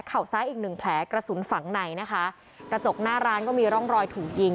ซ้ายอีกหนึ่งแผลกระสุนฝังในนะคะกระจกหน้าร้านก็มีร่องรอยถูกยิง